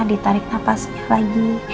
ditarik nafasnya lagi